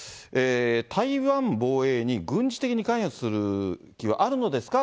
台湾防衛に軍事的に関与する気はあるのですか？